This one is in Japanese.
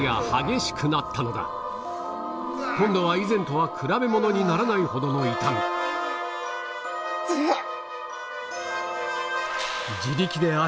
今度は以前とは比べものにならないほどの痛みぐあっ。